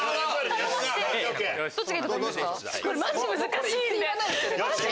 これマジ難しいんで。